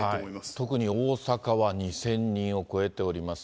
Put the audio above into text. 特に大阪は２０００人を超えております。